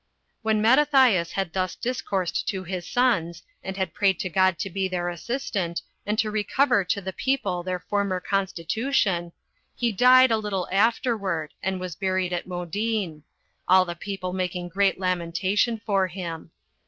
4. When Mattathias had thus discoursed to his sons, and had prayed to God to be their assistant, and to recover to the people their former constitution, he died a little afterward, and was buried at Modin; all the people making great lamentation for him.